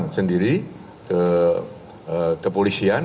tidak sendiri ke kepolisian